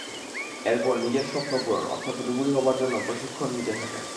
এরপর নিজের স্বপ্ন পূরণ, অর্থাৎ ডুবুরি হওয়ার জন্য প্রশিক্ষণ নিতে থাকেন।